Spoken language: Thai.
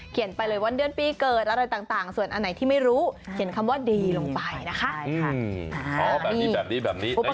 เขียนไปเลยวันเดือนปีเกิดแล้วอะไรต่างส่วนอันไหนที่ไม่รู้เขียนคำว่าดีลงไปนะคะอืมอ๋อแบบนี้แบบนี้แบบนี้